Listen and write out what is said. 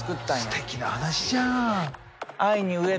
すてきな話じゃん。